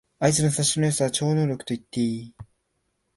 あいつの察しの良さは超能力と言っていい